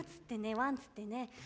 ワンつってね。